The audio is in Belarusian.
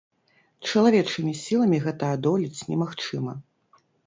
Чалавечымі сіламі гэта адолець немагчыма.